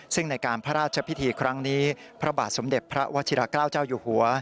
ซึ่งในการพระราชพิธีครั้งนี้พระบาทสมเด็จพระวชิราเกล้าเจ้าอยู่หัว